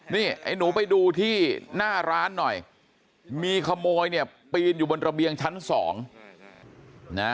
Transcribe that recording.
นี่ไอ้หนูไปดูที่หน้าร้านหน่อยมีขโมยเนี่ยปีนอยู่บนระเบียงชั้นสองนะ